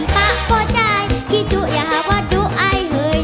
บ่ก็ใจคิดจุยาวว่าดูไอเหย